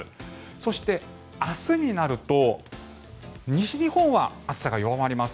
そして、明日になると西日本は暑さが弱まります。